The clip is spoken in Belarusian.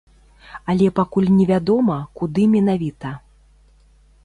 Але пакуль невядома, куды менавіта.